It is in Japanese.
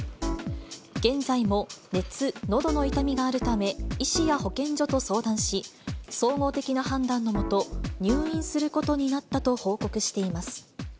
現在も熱、のどの痛みがあるため、医師や保健所と相談し、総合的な判断の下、入院することになったと報告しています。